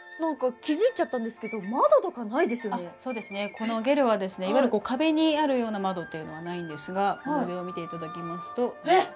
このゲルはですねいわゆる壁にあるような窓っていうのはないんですが上を見ていただきますと天井が窓になってます。